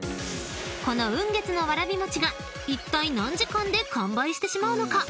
［この「雲月」のわらびもちがいったい何時間で完売してしまうのか